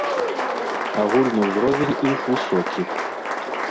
Агульны ўзровень іх высокі.